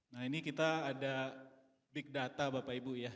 nah ini kita ada big data bapak ibu ya